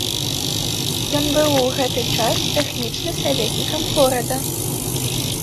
Ён быў ў гэты час тэхнічны саветнікам горада.